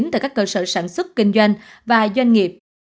từ các cơ sở sản xuất kinh doanh và doanh nghiệp